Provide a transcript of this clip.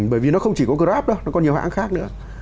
bởi vì nó không chỉ có grab đâu nó có nhiều hãng khác nữa